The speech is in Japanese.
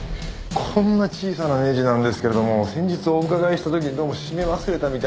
こんな小さなネジなんですけれども先日お伺いした時にどうも締め忘れたみたいなんですよ。